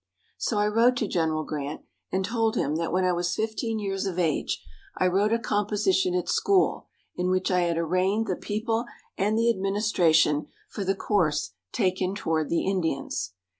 So I wrote to Gen. Grant and told him that when I was 15 years of age I wrote a composition at school in which I had arraigned the people and the administration for the course taken toward the Indians.